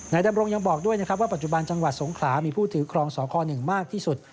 ดำรงยังบอกด้วยนะครับว่าปัจจุบันจังหวัดสงขลามีผู้ถือครองสค๑มากที่สุด